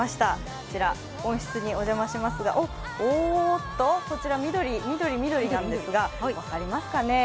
こちら温室にお邪魔しますが、おーっとこちら、こちら緑、緑なんですが、分かりますかね？